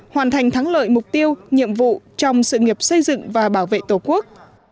hoàn thành thắng lợi mục tiêu nhiệm vụ trong sự nghiệp xây dựng và bảo vệ tổ quốc